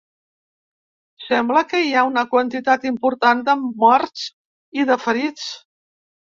Sembla que hi ha una quantitat important de morts i de ferits.